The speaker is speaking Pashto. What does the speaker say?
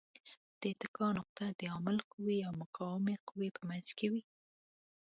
د اتکا نقطه د عامل قوې او مقاومې قوې په منځ کې وي.